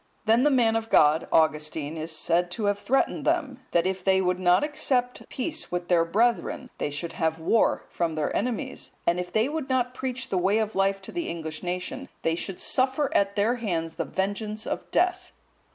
Then the man of God, Augustine, is said to have threatened them, that if they would not accept peace with their brethren, they should have war from their enemies; and, if they would not preach the way of life to the English nation, they should suffer at their hands the vengeance of death.